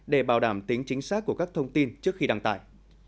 để bảo đảm tính chính xác của các thông tin trước khi đăng tải